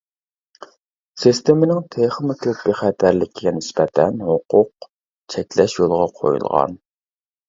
سىستېمىنىڭ تېخىمۇ كۆپ بىخەتەرلىكىگە نىسبەتەن ھوقۇق چەكلەش يولغا قويۇلغان.